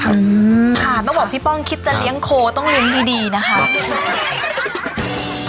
ต้องบอกพี่ป้องคิดจะเลี้ยงโคตรต้องเลี้ยงดีนะครับ